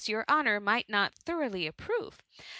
your honour might not thoroughly approve.